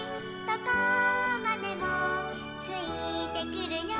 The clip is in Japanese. どこまでもついてくるよ」